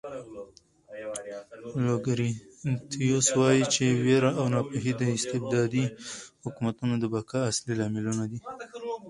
لوکریټیوس وایي چې وېره او ناپوهي د استبدادي حکومتونو د بقا اصلي لاملونه دي.